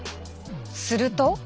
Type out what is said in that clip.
すると。